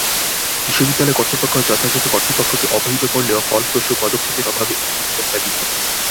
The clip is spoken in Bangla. বিশ্ববিদ্যালয় কর্তৃপক্ষ যথাযথ কর্তৃপক্ষকে অবহিত করলেও ফলপ্রসূ পদক্ষেপের অভাবে এমন অবস্থা বিদ্যমান।